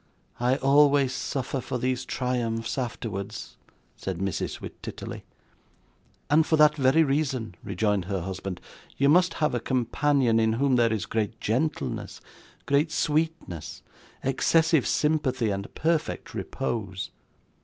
'I always suffer for these triumphs afterwards,' said Mrs. Wititterly. 'And for that very reason,' rejoined her husband, 'you must have a companion, in whom there is great gentleness, great sweetness, excessive sympathy, and perfect repose.